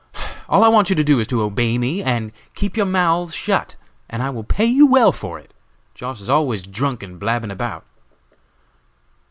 All I want you to do is to obey me and keep your mouths shut, and I will pay you well for it; Josh. is always drunk and blabbing about."